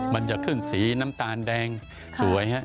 มันจะขึ้นสีน้ำตาลแดงสวยฮะ